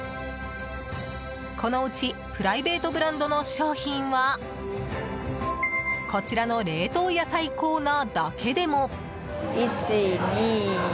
このうちプライベートブランドの商品はこちらの冷凍野菜コーナーだけでも。